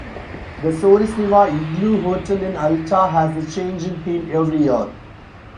The Sorrisniva Igloo Hotel in Alta has a changing theme every year.